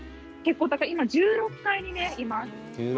今１６階にいます。